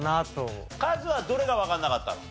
カズはどれがわかんなかったの？